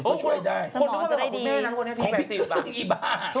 คุณพูดมองคาม๊ะคะวะ